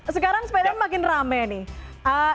sekarang sepeda makin rame nih